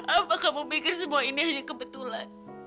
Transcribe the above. apa kamu pikir semua ini hanya kebetulan